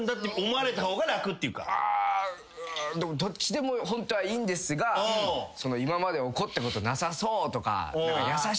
あでもどっちでもホントはいいんですが今まで怒ったことなさそうとか優しいっていう前提。